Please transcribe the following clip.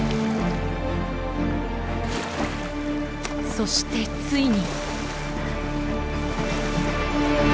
そしてついに。